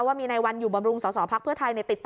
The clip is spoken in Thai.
ว่ามีในวันอยู่บำรุงสสพักเพื่อไทยติดต่อ